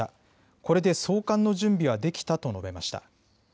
これで送還の準備はできたと述べました。